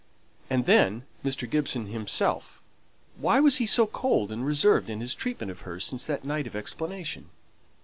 And then Mr. Gibson himself; why was he so cold and reserved in his treatment of her since that night of explanation?